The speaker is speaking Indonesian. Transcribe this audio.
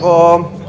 kamar dulu ya